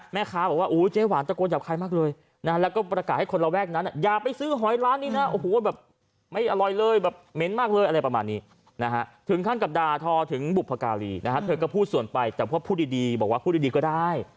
เม้นมากเลยอะไรประมาณนี้ถึงท่านกับดาทออยธนักฐานอย่างบุพกาลีนะฮะเธอก็พูดส่วนไปแต่พูดดีบอกว่าพูดดีก็ได้